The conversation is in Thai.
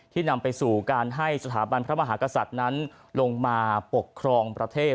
นำไปสู่การให้สถาบันพระมหากษัตริย์นั้นลงมาปกครองประเทศ